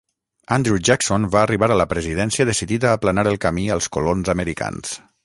Andrew Jackson va arribar a la presidència decidit a aplanar el camí als colons americans.